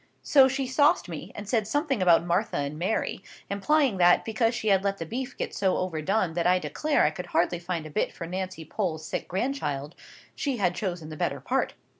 So she sauced me, and said something about Martha and Mary, implying that, because she had let the beef get so overdone that I declare I could hardly find a bit for Nancy Pole's sick grandchild, she had chosen the better part.